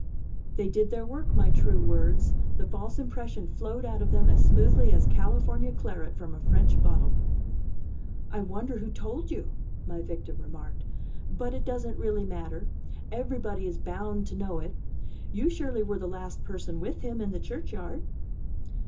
They did their work, my true words; the false impression flowed out of them as smoothly as California claret from a French bottle. "I wonder who told you?" my victim remarked. "But it doesn't really matter. Everybody is bound to know it. You surely were the last person with him in the churchyard?"